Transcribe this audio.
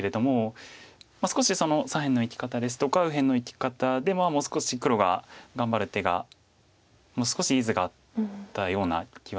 少し左辺の生き方ですとか右辺の生き方でもう少し黒が頑張る手がもう少しいい図があったような気はします。